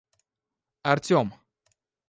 Артем